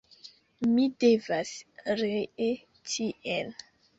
Mi devas ree tien.